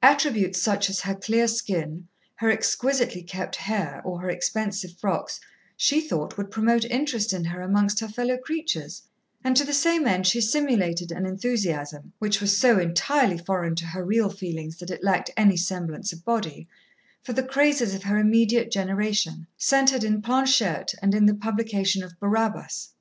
Attributes such as her clear skin, her exquisitely kept hair, or her expensive frocks, she thought would promote interest in her amongst her fellow creatures, and to the same end she simulated an enthusiasm which was so entirely foreign to her real feelings that it lacked any semblance of body for the crazes of her immediate generation, centred in Planchette and in the publication of Barabbas.